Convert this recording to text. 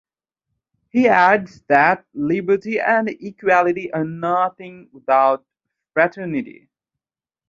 He adds that liberty and equality are nothing without fraternity.